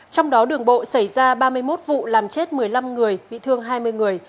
trong đó đường bộ xảy ra ba mươi một vụ làm chết một mươi năm người bị thương hai mươi người